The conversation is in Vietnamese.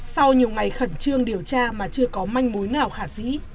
sau nhiều ngày khẩn trương điều tra mà chưa có manh mối nào khả sĩ